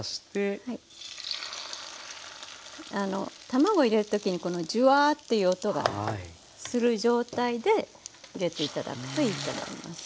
卵入れる時にこのジュワーッていう音がする状態で入れて頂くといいと思います。